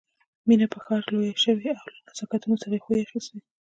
مينه په ښار کې لويه شوې او له نزاکتونو سره يې خوی اخيستی